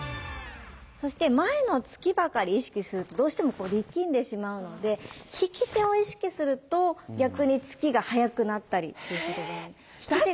そして前の突きばかり意識するとどうしても力んでしまうので引き手を意識すると逆に突きが速くなったりっていうことがある。